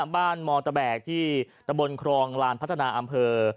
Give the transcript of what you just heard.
บ้านมตแบกที่ตะบนครองรานพัฒนาอำเภอ